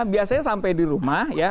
biasanya sampai di rumah ya